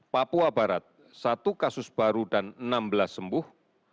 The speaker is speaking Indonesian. papua barat satu kasus baru dan enam belas sembuh